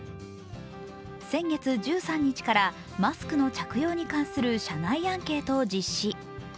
先月１３日からマスクの着用に関する社内アンケートを実施。